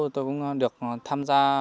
hai nghìn sáu tôi cũng được tham gia